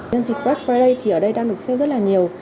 nhân dịp black friday thì ở đây đang được sale rất là nhiều